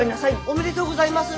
おめでとうございます。